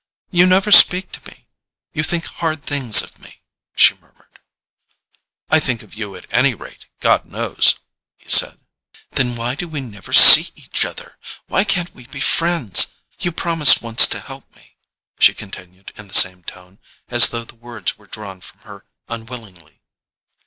"You never speak to me—you think hard things of me," she murmured. "I think of you at any rate, God knows!" he said. "Then why do we never see each other? Why can't we be friends? You promised once to help me," she continued in the same tone, as though the words were drawn from her unwillingly.